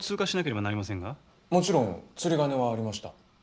もちろん釣り鐘はありました。